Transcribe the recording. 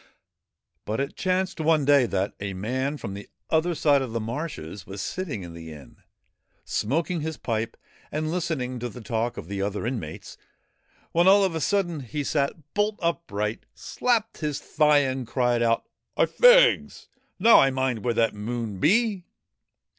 But it chanced one day that a man from the other side of the marshes was sitting in the inn, smoking his pipe and listening to the talk of the other inmates, when all of a sudden he sat bolt upright, slapped his thigh and cried out, ' I' fegs ! Now I mind where that there Moon be